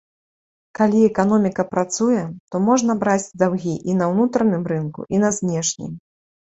Калі эканоміка працуе, то можна браць даўгі і на ўнутраным рынку, і на знешнім.